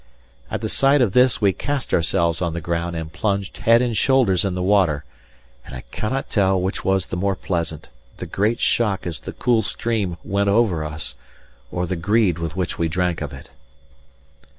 At the sight of this we cast ourselves on the ground and plunged head and shoulders in the water; and I cannot tell which was the more pleasant, the great shock as the cool stream went over us, or the greed with which we drank of it.